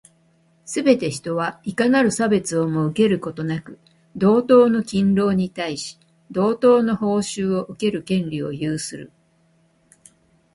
すべて人は、いかなる差別をも受けることなく、同等の勤労に対し、同等の報酬を受ける権利を有する。